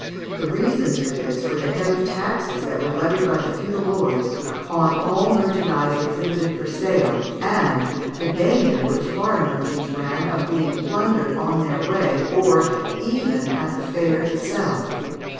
The reasons for this were, the heavy taxes which were levied by the feudal lords on all merchandise exhibited for sale, and the danger which foreign merchants ran of being plundered on their way, or even at the fair itself.